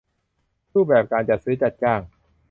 รูปแบบการจัดซื้อจัดจ้าง